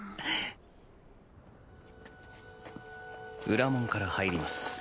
裏門から入ります。